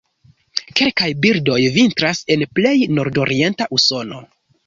Kelkaj birdoj vintras en plej nordorienta Usono.